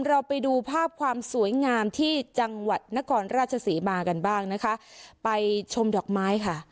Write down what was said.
เราไปดูภาพความสวยงามที่จังหวัดนครราชศรีมากันบ้างนะคะไปชมดอกไม้ค่ะ